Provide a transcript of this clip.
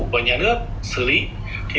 của nhà nước xử lý